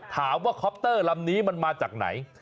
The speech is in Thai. คอปเตอร์ลำนี้มันมาจากไหน